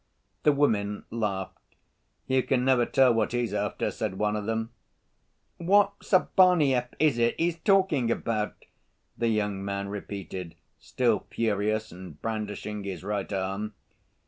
The women laughed. "You can never tell what he's after," said one of them. "What Sabaneyev is it he's talking about?" the young man repeated, still furious and brandishing his right arm.